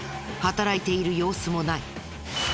働いている様子もない。